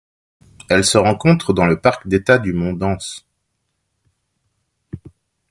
Elle se rencontre dans le parc d'État du mont Dans.